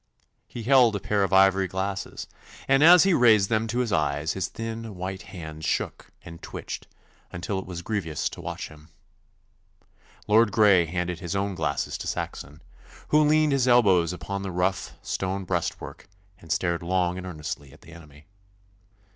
He held a pair of ivory glasses, and as he raised them to his eyes his thin white hands shook and twitched until it was grievous to watch him. Lord Grey handed his own glasses to Saxon, who leaned his elbows upon the rough stone breastwork and stared long and earnestly at the enemy.